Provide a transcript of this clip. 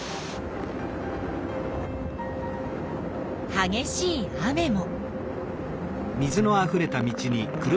はげしい雨も。